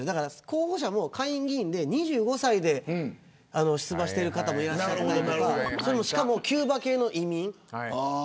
候補者も下院議員で２５歳で出馬している方もいるししかも、キューバ系の移民。